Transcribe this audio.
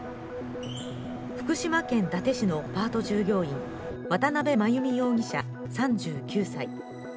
福島県伊達市のパート従業員、渡邉真由美容疑者３９歳。